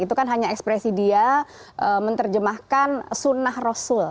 itu kan hanya ekspresi dia menerjemahkan sunnah rasul